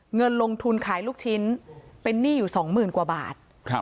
เงินลงทุนขายลูกชิ้นเป็นหนี้อยู่๒๐๐๐กว่าบาท